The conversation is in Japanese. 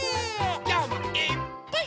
きょうもいっぱい。